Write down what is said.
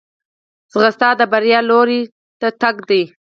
منډه د بریا لور ته تګ دی